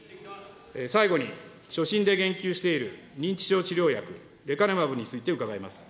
最後に、所信で言及している認知症治療薬、レカネマブについて伺います。